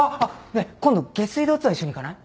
ねえ今度下水道ツアー一緒に行かない？